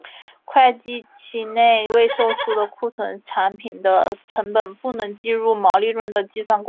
会计期内未售出的库存产品的成本不能计入毛利润的计算公式。